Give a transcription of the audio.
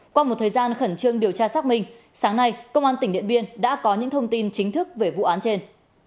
qua một thời gian khẩn trương điều tra xác minh sáng nay công an tỉnh điện biên đã có những thông tin chính thức về vụ án trên